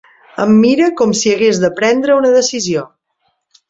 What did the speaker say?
Em mira com si hagués de prendre una decisió.